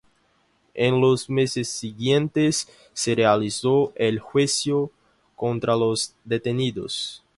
En los meses siguientes se realizó el juicio contra los detenidos.